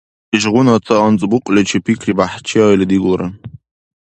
Ишгъуна ца анцӀбукьличи пикри бяхӀчиали дигулра.